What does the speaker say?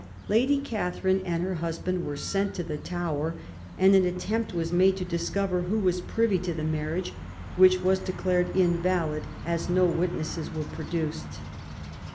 Lady Catharine and her husband were sent to the Tower, and an attempt was made to discover who were privy to the marriage, which was declared invalid, as no witnesses were produced.